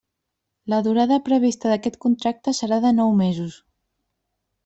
La durada prevista d'aquest contracte serà de nou mesos.